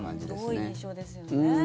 多い印象ですよね。